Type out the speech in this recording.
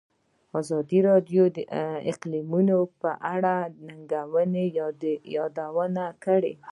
ازادي راډیو د اقلیتونه په اړه د ننګونو یادونه کړې.